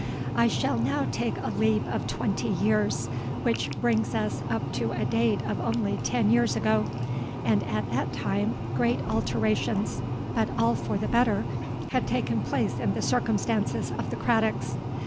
"I shall now take a leap of twenty years, which brings us up to a date of only ten years ago; and at that time great alterations—but all for the better—had taken place in the circumstances of the Craddocks.